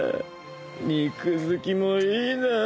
肉付きもいいなぁ